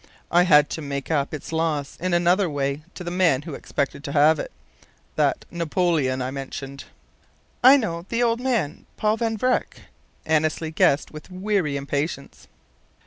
I had to make up its loss in another way to the man who expected to have it that 'Napoleon' I mentioned." "I know, the old man Paul Van Vreck," Annesley guessed with weary impatience.